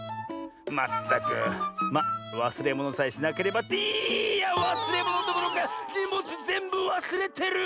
まったくまあわすれものさえしなければっていやわすれものどころかにもつぜんぶわすれてる！